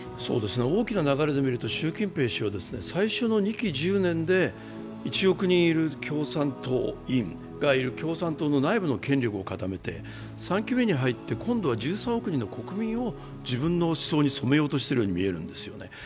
大きな流れで見ると習近平氏は最初の２期で１億人の共産党員がいる共産党の内部の権力を固めて、３期目に入って、１３億人の国民を自分の思想に染めようとしているようにみえるんですよね。